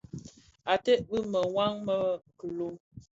Ated bi mewaa më kiloň,